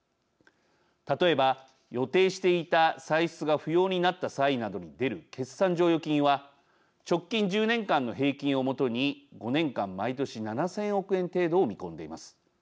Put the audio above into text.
例えば、予定していた歳出が不要になった際などに出る決算剰余金は直近１０年間の平均を基に５年間、毎年７０００億円程度を見込んでいます。